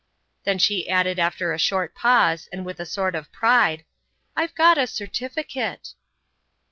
Then she added after a short pause, and with a sort of pride: "I've got a certificate."